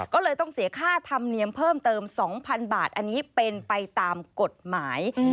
ก็เลยต้องเสียค่าธรรมเนียมเพิ่มเติม๒๐๐๐บาทอันนี้เป็นไปตามกฎหมาย